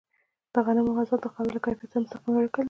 د غنمو حاصل د خاورې له کیفیت سره مستقیمه اړیکه لري.